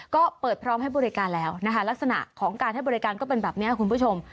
ก็เปิดพร้อมให้บริการแล้วนะคะลักษณะของการให้บริการก็เป็นแบบนี้คุณผู้ชม